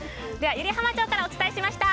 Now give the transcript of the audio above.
湯梨浜町からお伝えしました。